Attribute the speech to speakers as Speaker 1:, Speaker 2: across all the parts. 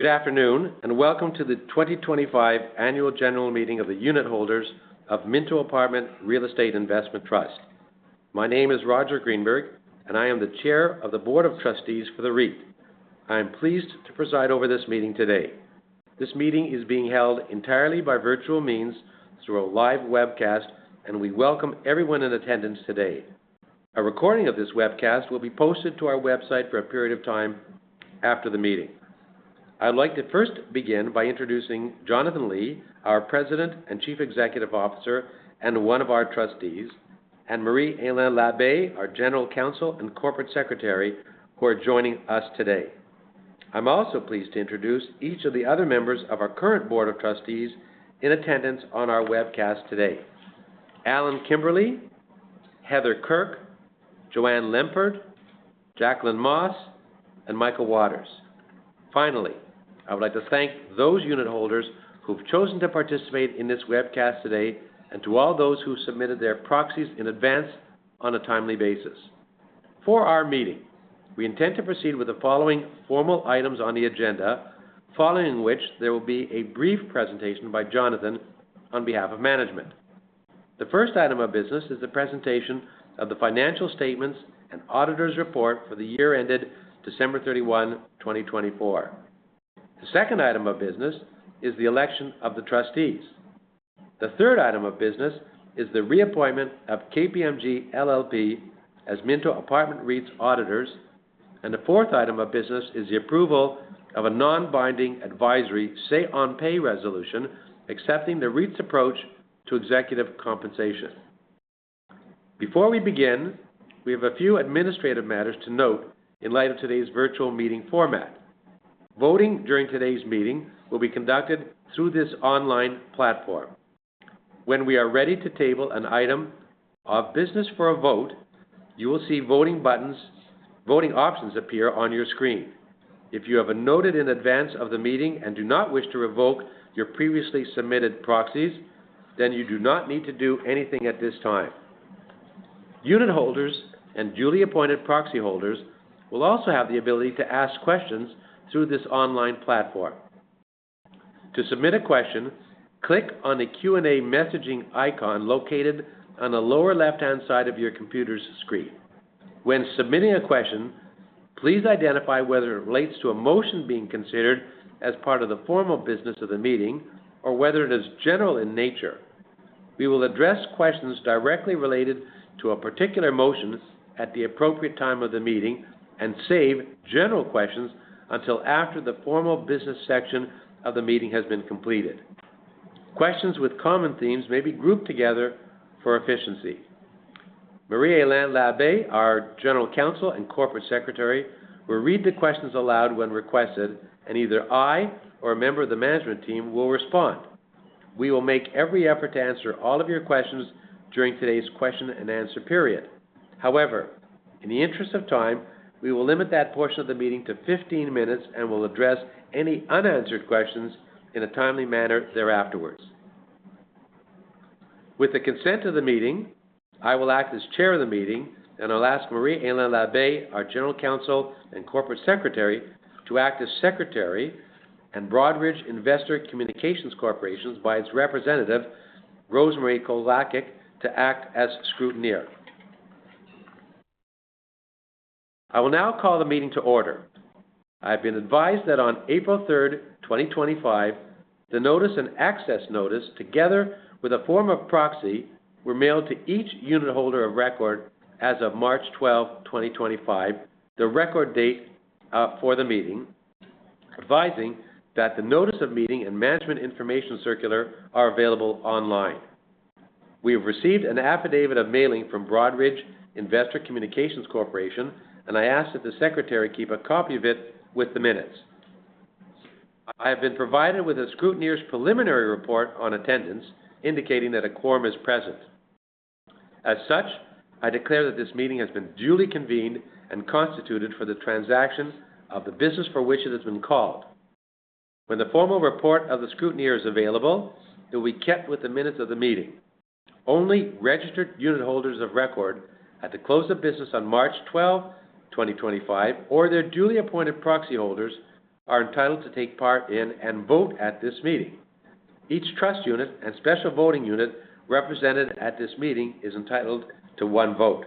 Speaker 1: Good afternoon and welcome to the 2025 Annual General Meeting of the Unit Holders of Minto Apartment Real Estate Investment Trust. My name is Roger Greenberg, and I am the Chair of the Board of Trustees for the REIT. I am pleased to preside over this meeting today. This meeting is being held entirely by virtual means through a live webcast, and we welcome everyone in attendance today. A recording of this webcast will be posted to our website for a period of time after the meeting. I'd like to first begin by introducing Jonathan Li, our President and Chief Executive Officer and one of our trustees, and Marie-Hélène Labbé, our General Counsel and Corporate Secretary, who are joining us today. I'm also pleased to introduce each of the other members of our current Board of Trustees in attendance on our webcast today: Alan Kimberley, Heather Kirk, Joanne Lempert, Jacqueline Moss, and Michael Waters. Finally, I would like to thank those unit holders who've chosen to participate in this webcast today and to all those who submitted their proxies in advance on a timely basis. For our meeting, we intend to proceed with the following formal items on the agenda, following which there will be a brief presentation by Jonathan on behalf of management. The first item of business is the presentation of the financial statements and auditor's report for the year ended December 31, 2024. The second item of business is the election of the trustees. The third item of business is the reappointment of KPMG LLP as Minto Apartment Real Estate Investment Trust's auditors. The fourth item of business is the approval of a non-binding advisory say-on-pay resolution accepting the REIT's approach to executive compensation. Before we begin, we have a few administrative matters to note in light of today's virtual meeting format. Voting during today's meeting will be conducted through this online platform. When we are ready to table an item of business for a vote, you will see voting options appear on your screen. If you have voted in advance of the meeting and do not wish to revoke your previously submitted proxies, then you do not need to do anything at this time. Unit holders and duly appointed proxy holders will also have the ability to ask questions through this online platform. To submit a question, click on the Q&A messaging icon located on the lower left-hand side of your computer's screen. When submitting a question, please identify whether it relates to a motion being considered as part of the formal business of the meeting or whether it is general in nature. We will address questions directly related to a particular motion at the appropriate time of the meeting and save general questions until after the formal business section of the meeting has been completed. Questions with common themes may be grouped together for efficiency. Marie-Hélène Labbé, our General Counsel and Corporate Secretary, will read the questions aloud when requested, and either I or a member of the management team will respond. We will make every effort to answer all of your questions during today's question and answer period. However, in the interest of time, we will limit that portion of the meeting to 15 minutes and will address any unanswered questions in a timely manner thereafter. With the consent of the meeting, I will act as Chair of the meeting, and I'll ask Marie-Hélène Labbé, our General Counsel and Corporate Secretary, to act as Secretary and Broadridge Investor Communications Corporation by its representative, Rosemarie Kozlick, to act as Scrutineer. I will now call the meeting to order. I've been advised that on April 3, 2025, the notice and access notice, together with a form of proxy, were mailed to each unit holder of record as of March 12, 2025, the record date for the meeting, advising that the notice of meeting and management information circular are available online. We have received an affidavit of mailing from Broadridge Investor Communications Corporation, and I ask that the Secretary keep a copy of it with the minutes. I have been provided with a Scrutineer's preliminary report on attendance, indicating that a quorum is present. As such, I declare that this meeting has been duly convened and constituted for the transaction of the business for which it has been called. When the formal report of the Scrutineer is available, it will be kept with the minutes of the meeting. Only registered unit holders of record at the close of business on March 12, 2025, or their duly appointed proxy holders are entitled to take part in and vote at this meeting. Each trust unit and special voting unit represented at this meeting is entitled to one vote.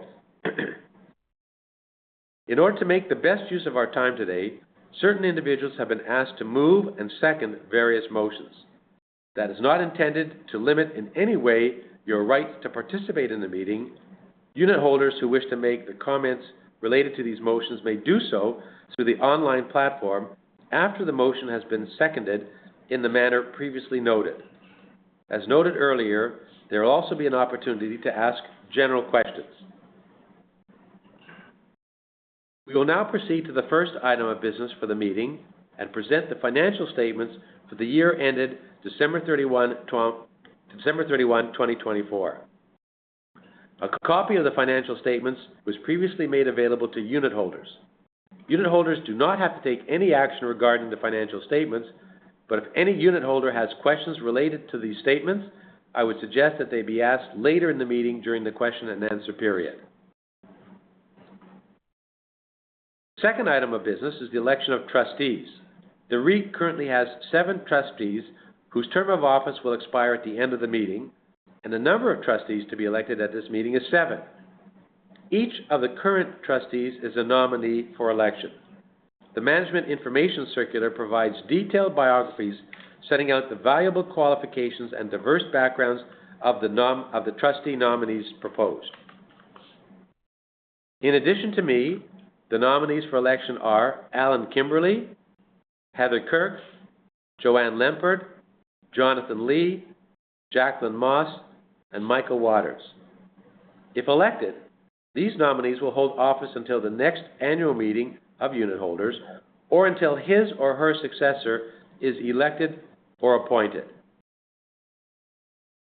Speaker 1: In order to make the best use of our time today, certain individuals have been asked to move and second various motions. That is not intended to limit in any way your right to participate in the meeting. Unit holders who wish to make the comments related to these motions may do so through the online platform after the motion has been seconded in the manner previously noted. As noted earlier, there will also be an opportunity to ask general questions. We will now proceed to the first item of business for the meeting and present the financial statements for the year ended December 31, 2024. A copy of the financial statements was previously made available to unit holders. Unit holders do not have to take any action regarding the financial statements, but if any unit holder has questions related to these statements, I would suggest that they be asked later in the meeting during the question and answer period. The second item of business is the election of trustees. The REIT currently has seven trustees whose term of office will expire at the end of the meeting, and the number of trustees to be elected at this meeting is seven. Each of the current trustees is a nominee for election. The management information circular provides detailed biographies setting out the valuable qualifications and diverse backgrounds of the trustee nominees proposed. In addition to me, the nominees for election are Alan Kimberley, Heather Kirk, Joanne Lempert, Jonathan Li, Jacqueline Moss, and Michael Waters. If elected, these nominees will hold office until the next annual meeting of unit holders or until his or her successor is elected or appointed.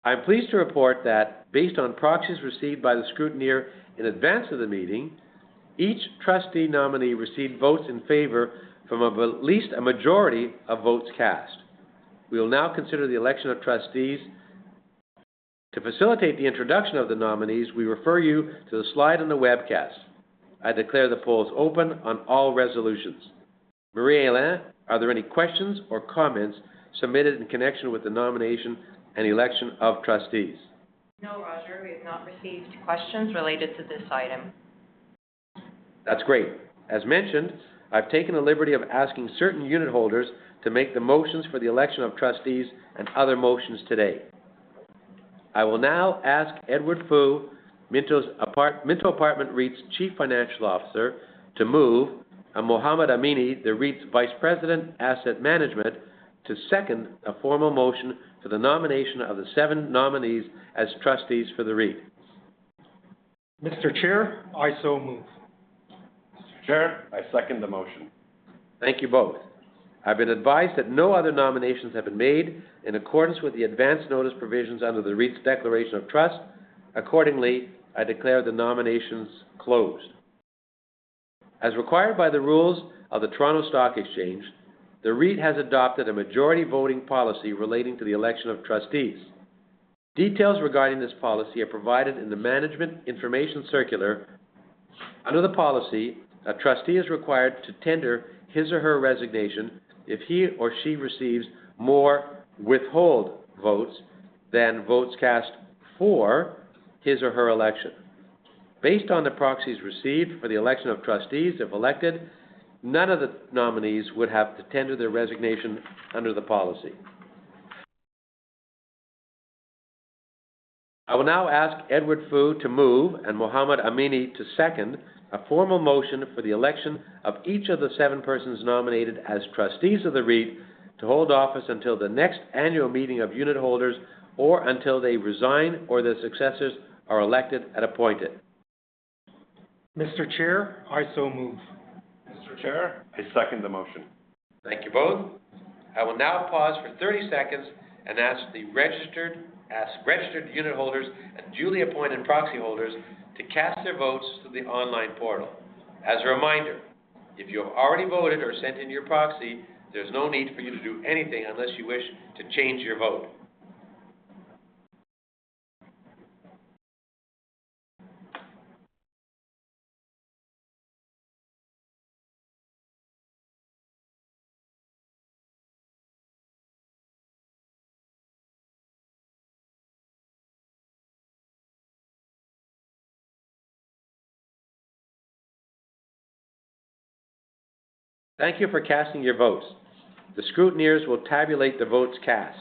Speaker 1: I'm pleased to report that based on proxies received by the Scrutineer in advance of the meeting, each trustee nominee received votes in favor from at least a majority of votes cast. We will now consider the election of trustees. To facilitate the introduction of the nominees, we refer you to the slide on the webcast. I declare the polls open on all resolutions. Marie-Hélène, are there any questions or comments submitted in connection with the nomination and election of trustees?
Speaker 2: No, Roger. We have not received questions related to this item.
Speaker 1: That's great. As mentioned, I've taken the liberty of asking certain unit holders to make the motions for the election of trustees and other motions today. I will now ask Edward Fu, Minto Apartment REIT's Chief Financial Officer, to move, and Muhammad Amini, the REIT's Vice President, Asset Management, to second a formal motion for the nomination of the seven nominees as trustees for the REIT.
Speaker 3: Mr. Chair, I so move.
Speaker 4: Mr. Chair, I second the motion.
Speaker 1: Thank you both. I've been advised that no other nominations have been made in accordance with the advance notice provisions under the REIT's Declaration of Trust. Accordingly, I declare the nominations closed. As required by the rules of the Toronto Stock Exchange, the REIT has adopted a majority voting policy relating to the election of trustees. Details regarding this policy are provided in the management information circular. Under the policy, a trustee is required to tender his or her resignation if he or she receives more withheld votes than votes cast for his or her election. Based on the proxies received for the election of trustees, if elected, none of the nominees would have to tender their resignation under the policy. I will now ask Edward Fu to move and Muhammad Amini to second a formal motion for the election of each of the seven persons nominated as trustees of the REIT to hold office until the next annual meeting of unit holders or until they resign or their successors are elected and appointed.
Speaker 3: Mr. Chair, I so move.
Speaker 4: Mr. Chair, I second the motion.
Speaker 1: Thank you both. I will now pause for 30 seconds and ask the registered unit holders and duly appointed proxy holders to cast their votes through the online portal. As a reminder, if you have already voted or sent in your proxy, there is no need for you to do anything unless you wish to change your vote. Thank you for casting your votes. The Scrutineers will tabulate the votes cast.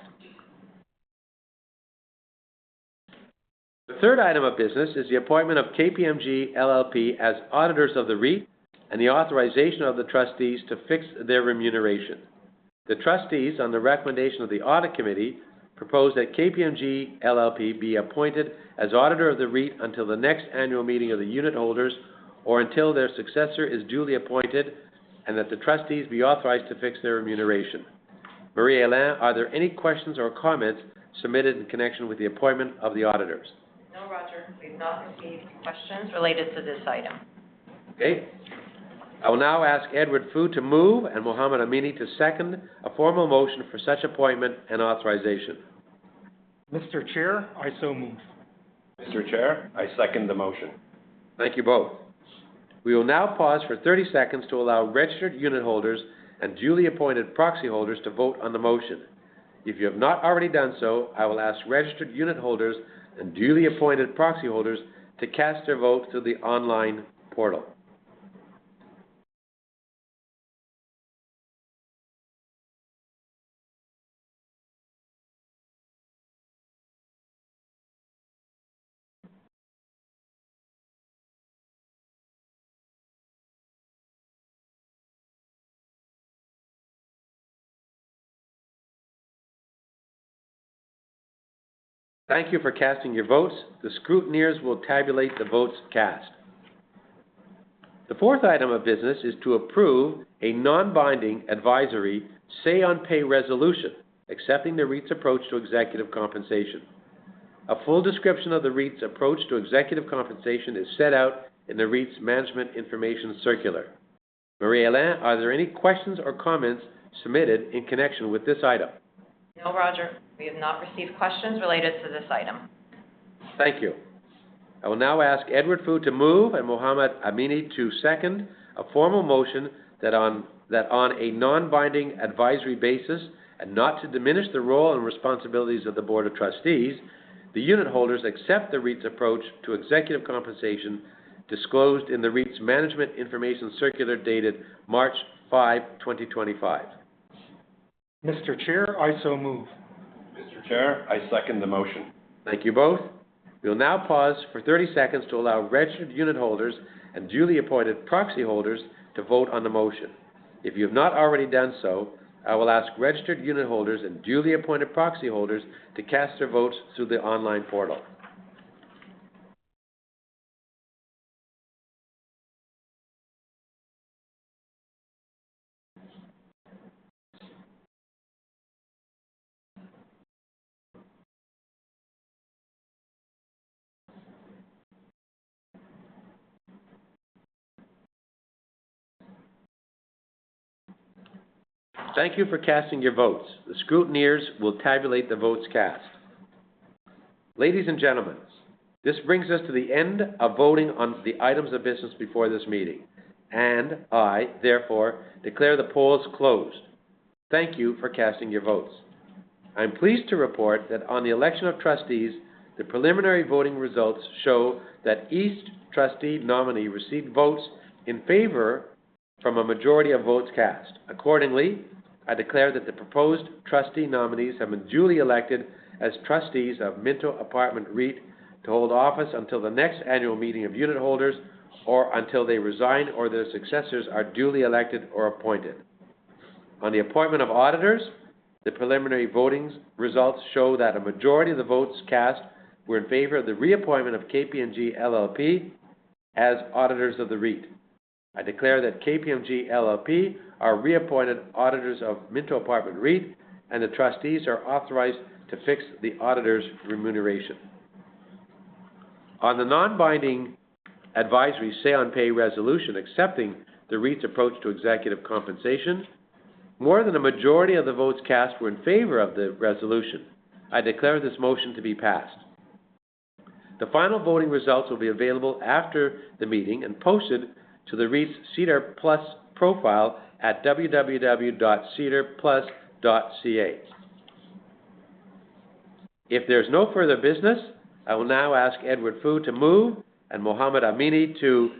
Speaker 1: The third item of business is the appointment of KPMG LLP as auditors of the REIT and the authorization of the trustees to fix their remuneration. The trustees, on the recommendation of the audit committee, propose that KPMG LLP be appointed as auditor of the REIT until the next annual meeting of the unit holders or until their successor is duly appointed and that the trustees be authorized to fix their remuneration. Marie-Hélène, are there any questions or comments submitted in connection with the appointment of the auditors?
Speaker 2: No, Roger. We have not received questions related to this item.
Speaker 1: Okay. I will now ask Edward Fu to move and Muhammad Amini to second a formal motion for such appointment and authorization.
Speaker 3: Mr. Chair, I so move.
Speaker 4: Mr. Chair, I second the motion.
Speaker 1: Thank you both. We will now pause for 30 seconds to allow registered unit holders and duly appointed proxy holders to vote on the motion. If you have not already done so, I will ask registered unit holders and duly appointed proxy holders to cast their vote through the online portal. Thank you for casting your votes. The Scrutineers will tabulate the votes cast. The fourth item of business is to approve a non-binding advisory say-on-pay resolution accepting the REIT's approach to executive compensation. A full description of the REIT's approach to executive compensation is set out in the REIT's Management Information Circular. Marie-Hélène, are there any questions or comments submitted in connection with this item?
Speaker 2: No, Roger. We have not received questions related to this item.
Speaker 1: Thank you. I will now ask Edward Fu to move and Muhammad Amini to second a formal motion that on a non-binding advisory basis and not to diminish the role and responsibilities of the Board of Trustees, the unit holders accept the REIT's approach to executive compensation disclosed in the REIT's Management Information Circular dated March 5, 2025.
Speaker 3: Mr. Chair, I so move.
Speaker 4: Mr. Chair, I second the motion.
Speaker 1: Thank you both. We will now pause for 30 seconds to allow registered unit holders and duly appointed proxy holders to vote on the motion. If you have not already done so, I will ask registered unit holders and duly appointed proxy holders to cast their votes through the online portal. Thank you for casting your votes. The scrutineers will tabulate the votes cast. Ladies and gentlemen, this brings us to the end of voting on the items of business before this meeting, and I, therefore, declare the polls closed. Thank you for casting your votes. I'm pleased to report that on the election of trustees, the preliminary voting results show that each trustee nominee received votes in favor from a majority of votes cast. Accordingly, I declare that the proposed trustee nominees have been duly elected as trustees of Minto Apartment Real Estate Investment Trust to hold office until the next annual meeting of unit holders or until they resign or their successors are duly elected or appointed. On the appointment of auditors, the preliminary voting results show that a majority of the votes cast were in favor of the reappointment of KPMG LLP as auditors of the Real Estate Investment Trust. I declare that KPMG LLP are reappointed auditors of Minto Apartment Real Estate Investment Trust, and the trustees are authorized to fix the auditor's remuneration. On the non-binding advisory say-on-pay resolution accepting the Real Estate Investment Trust's approach to executive compensation, more than a majority of the votes cast were in favor of the resolution. I declare this motion to be passed. The final voting results will be available after the meeting and posted to the Real Estate Investment Trust's SEDAR+ profile at www.sedarplus.ca. If there is no further business, I will now ask Edward Fu to move and Muhammad Amini to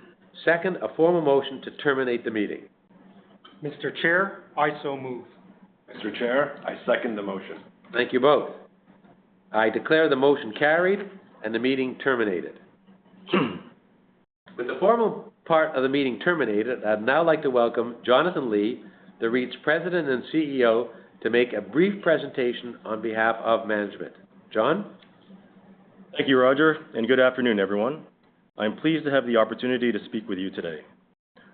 Speaker 1: second a formal motion to terminate the meeting.
Speaker 3: Mr. Chair, I so move.
Speaker 4: Mr. Chair, I second the motion.
Speaker 1: Thank you both. I declare the motion carried and the meeting terminated. With the formal part of the meeting terminated, I'd now like to welcome Jonathan Li, the REIT's President and CEO, to make a brief presentation on behalf of management. John?
Speaker 5: Thank you, Roger, and good afternoon, everyone. I'm pleased to have the opportunity to speak with you today.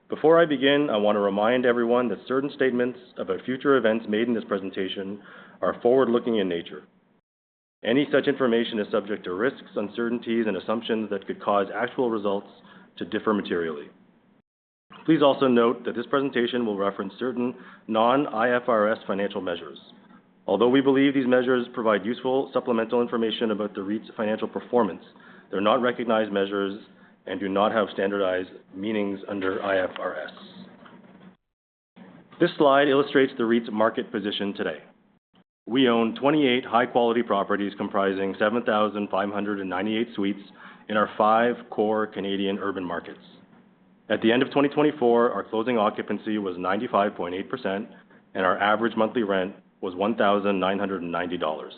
Speaker 5: Before I begin, I want to remind everyone that certain statements about future events made in this presentation are forward-looking in nature. Any such information is subject to risks, uncertainties, and assumptions that could cause actual results to differ materially. Please also note that this presentation will reference certain non-IFRS financial measures. Although we believe these measures provide useful supplemental information about the REIT's financial performance, they're not recognized measures and do not have standardized meanings under IFRS. This slide illustrates the REIT's market position today. We own 28 high-quality properties comprising 7,598 suites in our five core Canadian urban markets. At the end of 2024, our closing occupancy was 95.8%, and our average monthly rent was 1,990 dollars.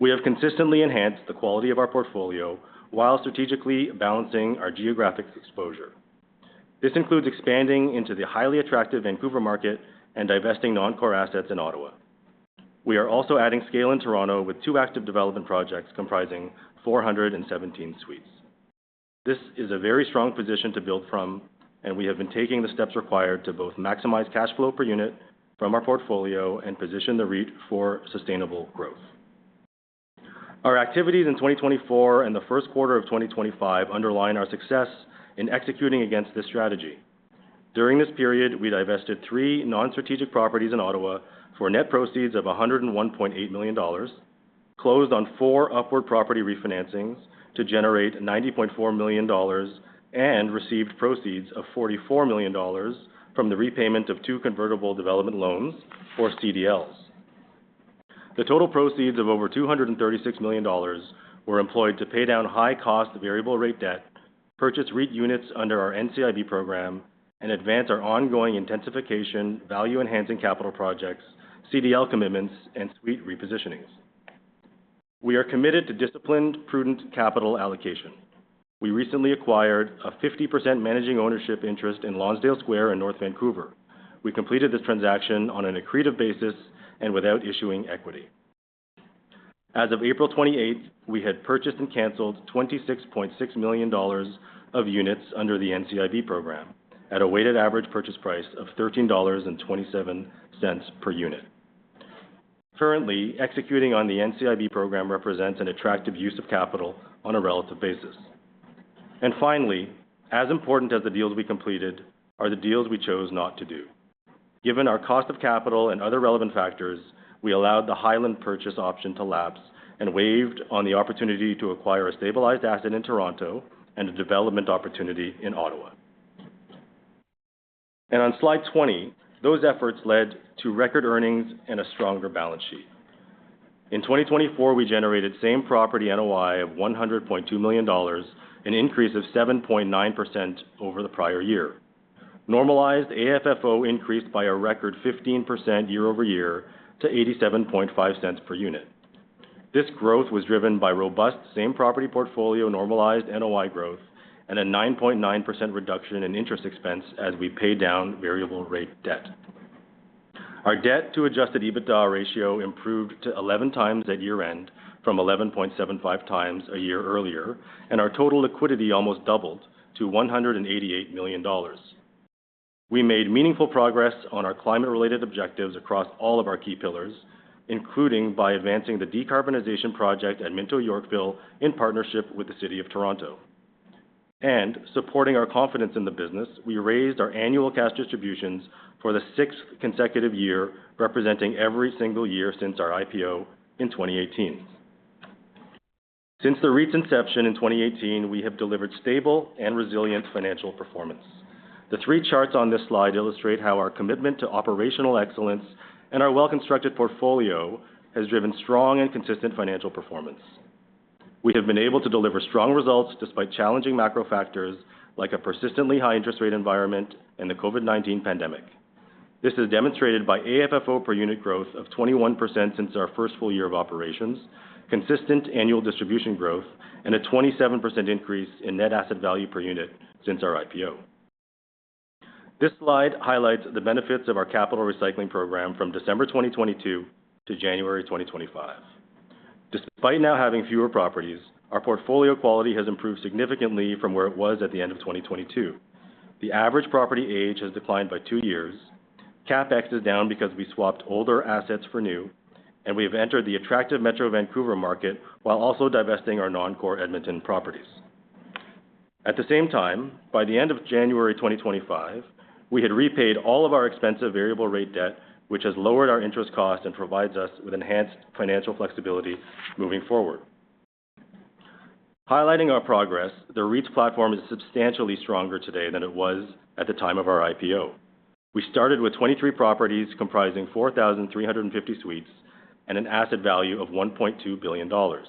Speaker 5: We have consistently enhanced the quality of our portfolio while strategically balancing our geographic exposure. This includes expanding into the highly attractive Vancouver market and divesting non-core assets in Ottawa. We are also adding scale in Toronto with two active development projects comprising 417 suites. This is a very strong position to build from, and we have been taking the steps required to both maximize cash flow per unit from our portfolio and position the REIT for sustainable growth. Our activities in 2024 and the first quarter of 2025 underline our success in executing against this strategy. During this period, we divested three non-strategic properties in Ottawa for 101.8 million dollars, closed on four upward property refinancings to generate 90.4 million dollars, and received proceeds of 44 million dollars from the repayment of two convertible development loans or CDLs. The total proceeds of over 236 million dollars were employed to pay down high-cost variable-rate debt, purchase REIT units under our NCIB program, and advance our ongoing intensification value-enhancing capital projects, CDL commitments, and suite repositionings. We are committed to disciplined, prudent capital allocation. We recently acquired a 50% managing ownership interest in Lonsdale Square in North Vancouver. We completed this transaction on an accretive basis and without issuing equity. As of April 28th, we had purchased and canceled 26.6 million dollars of units under the NCIB program at a weighted average purchase price of 13.27 dollars per unit. Currently, executing on the NCIB program represents an attractive use of capital on a relative basis. Finally, as important as the deals we completed are the deals we chose not to do. Given our cost of capital and other relevant factors, we allowed the Highland purchase option to lapse and waived on the opportunity to acquire a stabilized asset in Toronto and a development opportunity in Ottawa. On slide 20, those efforts led to record earnings and a stronger balance sheet. In 2024, we generated same property NOI of 100.2 million dollars, an increase of 7.9% over the prior year. Normalized AFFO increased by a record 15% year over year to 0.875 per unit. This growth was driven by robust same property portfolio normalized NOI growth and a 9.9% reduction in interest expense as we paid down variable-rate debt. Our debt-to-adjusted EBITDA ratio improved to 11 times at year-end from 11.75 times a year earlier, and our total liquidity almost doubled to 188 million dollars. We made meaningful progress on our climate-related objectives across all of our key pillars, including by advancing the decarbonization project at Minto Yorkville in partnership with the City of Toronto. Supporting our confidence in the business, we raised our annual cash distributions for the sixth consecutive year, representing every single year since our IPO in 2018. Since the REIT's inception in 2018, we have delivered stable and resilient financial performance. The three charts on this slide illustrate how our commitment to operational excellence and our well-constructed portfolio has driven strong and consistent financial performance. We have been able to deliver strong results despite challenging macro factors like a persistently high interest rate environment and the COVID-19 pandemic. This is demonstrated by AFFO per unit growth of 21% since our first full year of operations, consistent annual distribution growth, and a 27% increase in net asset value per unit since our IPO. This slide highlights the benefits of our capital recycling program from December 2022 to January 2025. Despite now having fewer properties, our portfolio quality has improved significantly from where it was at the end of 2022. The average property age has declined by two years, Capex is down because we swapped older assets for new, and we have entered the attractive Metro Vancouver market while also divesting our non-core Edmonton properties. At the same time, by the end of January 2025, we had repaid all of our expensive variable-rate debt, which has lowered our interest cost and provides us with enhanced financial flexibility moving forward. Highlighting our progress, the REIT's platform is substantially stronger today than it was at the time of our IPO. We started with 23 properties comprising 4,350 suites and an asset value of 1.2 billion dollars.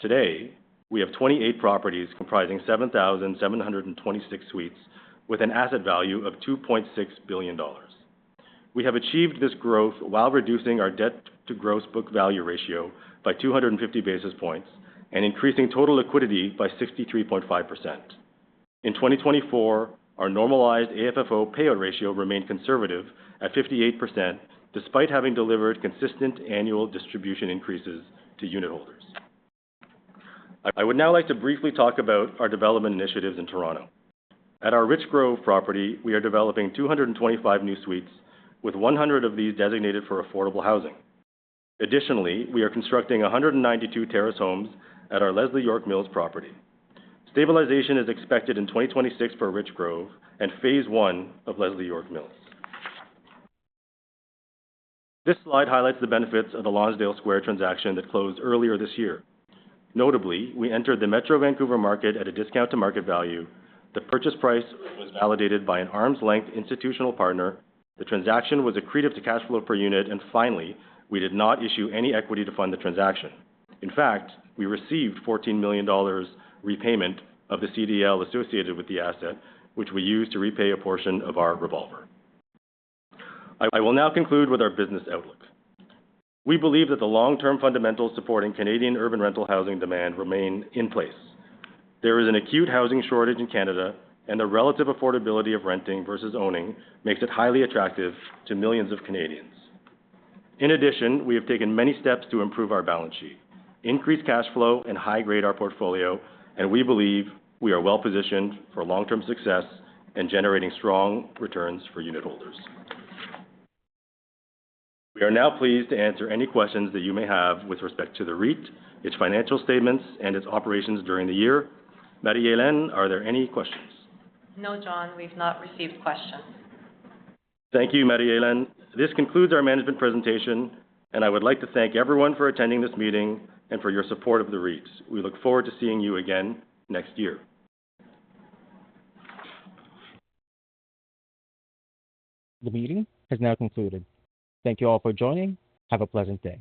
Speaker 5: Today, we have 28 properties comprising 7,726 suites with an asset value of 2.6 billion dollars. We have achieved this growth while reducing our debt-to-gross book value ratio by 250 basis points and increasing total liquidity by 63.5%. In 2024, our normalized AFFO payout ratio remained conservative at 58% despite having delivered consistent annual distribution increases to unit holders. I would now like to briefly talk about our development initiatives in Toronto. At our Rich Grove property, we are developing 225 new suites, with 100 of these designated for affordable housing. Additionally, we are constructing 192 terrace homes at our Leslie York Mills property. Stabilization is expected in 2026 for Rich Grove and phase one of Leslie York Mills. This slide highlights the benefits of the Lonsdale Square transaction that closed earlier this year. Notably, we entered the Metro Vancouver market at a discount to market value. The purchase price was validated by an arm's length institutional partner. The transaction was accretive to cash flow per unit. Finally, we did not issue any equity to fund the transaction. In fact, we received 14 million dollars repayment of the CDL associated with the asset, which we used to repay a portion of our revolver. I will now conclude with our business outlook. We believe that the long-term fundamentals supporting Canadian urban rental housing demand remain in place. There is an acute housing shortage in Canada, and the relative affordability of renting versus owning makes it highly attractive to millions of Canadians. In addition, we have taken many steps to improve our balance sheet, increase cash flow, and high-grade our portfolio, and we believe we are well-positioned for long-term success and generating strong returns for unit holders. We are now pleased to answer any questions that you may have with respect to the REIT, its financial statements, and its operations during the year. Marie-Hélène, are there any questions?
Speaker 2: No, John, we've not received questions.
Speaker 5: Thank you, Marie-Hélène. This concludes our management presentation, and I would like to thank everyone for attending this meeting and for your support of the REIT. We look forward to seeing you again next year.
Speaker 6: The meeting has now concluded. Thank you all for joining. Have a pleasant day.